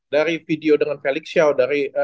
dari video dengan felix show dari